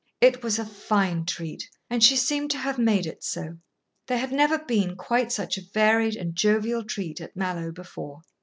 It was a fine treat, and she seemed to have made it so. There had never been quite such a varied and jovial treat at Mallowe before.